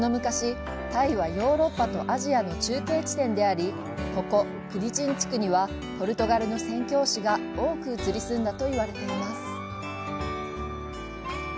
その昔、タイはヨーロッパとアジアの中継地点であり、ここクディチン地区には、ポルトガルの宣教師が多く移り住んだと言われています。